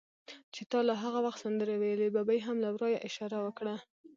چې تا لا هغه وخت سندرې ویلې، ببۍ هم له ورایه اشاره وکړه.